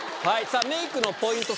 メイクのポイント